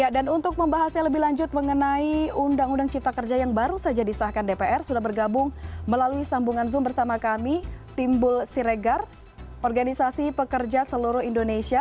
dan untuk membahasnya lebih lanjut mengenai undang undang cipta kerja yang baru saja disahkan dpr sudah bergabung melalui sambungan zoom bersama kami timbul siregar organisasi pekerja seluruh indonesia